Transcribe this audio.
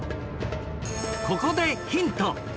ここでヒント